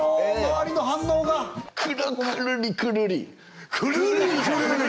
周りの反応がくるりくるり？